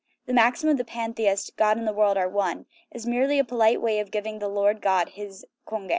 The maxim of the pantheist, ' God and the world are one/ is merely a polite way of giving the Lord God his conge."